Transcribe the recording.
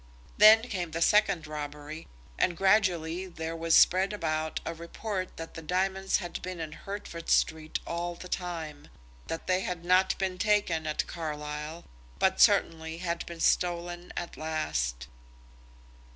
Then came the second robbery, and gradually there was spread about a report that the diamonds had been in Hertford Street all the time; that they had not been taken at Carlisle, but certainly had been stolen at last.